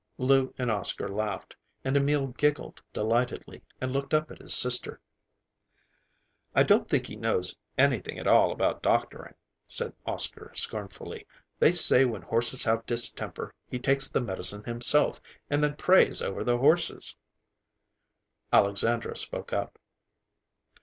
'" Lou and Oscar laughed, and Emil giggled delightedly and looked up at his sister. "I don't think he knows anything at all about doctoring," said Oscar scornfully. "They say when horses have distemper he takes the medicine himself, and then prays over the horses." Alexandra spoke up.